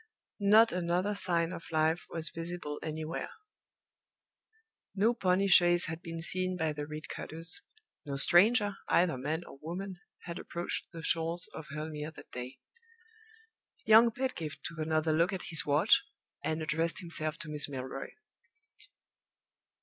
Not another sign of life was visible anywhere. No pony chaise had been seen by the reed cutters; no stranger, either man or woman, had approached the shores of Hurle Mere that day. Young Pedgift took another look at his watch, and addressed himself to Miss Milroy.